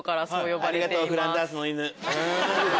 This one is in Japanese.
ありがとう『フランダースの犬』。